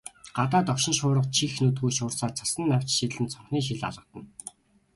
Гадаа догшин шуурга чих нүдгүй шуурсаар, цасан навчис шидлэн цонхны шил алгадна.